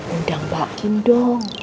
undang pak kindong